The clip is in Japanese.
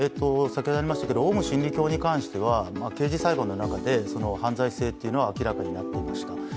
オウム真理教に関しては刑事裁判の中で犯罪性というのは明らかになっていました。